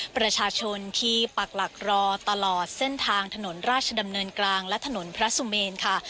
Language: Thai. ประชาชนที่ปักหลักรอตลอดเส้นทางถนนราชดำเนินกลางและถนนพระสุเมนค่ะ